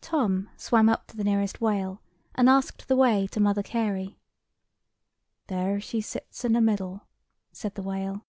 Tom swam up to the nearest whale, and asked the way to Mother Carey. "There she sits in the middle," said the whale.